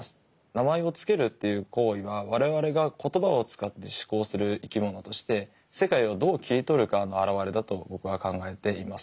名前を付けるっていう行為は我々が言葉を使って思考する生き物として世界をどう切り取るかの表れだと僕は考えています。